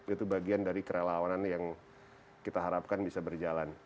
itu bagian dari kerelawanan yang kita harapkan bisa berjalan